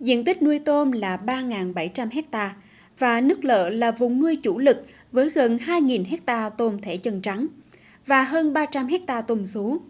diện tích nuôi tôm là ba bảy trăm linh hectare và nước lợ là vùng nuôi chủ lực với gần hai hectare tôm thể chân trắng và hơn ba trăm linh hectare tôm xú